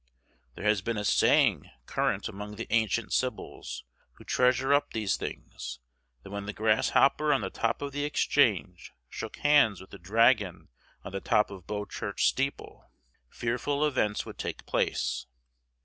There has been a saying current among the ancient sibyls, who treasure up these things, that when the grasshopper on the top of the Exchange shook hands with the dragon on the top of Bow Church steeple, fearful events would take place.